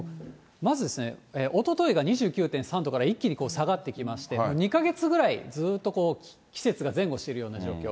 まず、おとといが２９．３度から一気に下がってきまして、２か月ぐらいずっと季節が前後してるような状況。